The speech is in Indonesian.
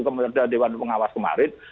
kepada dewan pengawas kpk